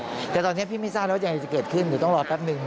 คือแม้ว่าจะมีการเลื่อนงานชาวพนักกิจแต่พิธีไว้อาลัยยังมีครบ๓วันเหมือนเดิม